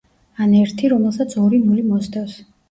ან ერთი რომელსაც ორი ნული მოსდევს.